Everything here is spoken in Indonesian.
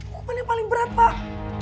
hukuman yang paling berat pak